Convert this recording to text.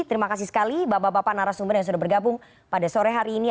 terima kasih sekali bapak bapak narasumber yang sudah bergabung pada sore hari ini